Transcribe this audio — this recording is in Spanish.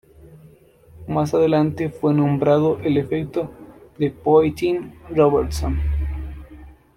Más adelante fue nombrado el efecto de Poynting-Robertson.